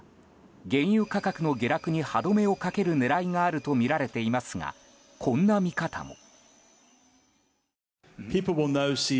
原油価格の下落に歯止めをかける狙いがあるとみられていますがこんな見方も。